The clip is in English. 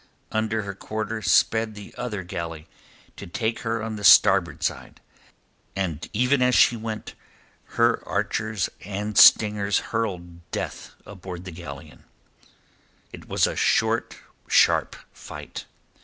Under her quarter sped the other galley to take her on the starboard side, and even as she went her archers and stingers hurled death aboard the galleon. It was a short, sharp fight.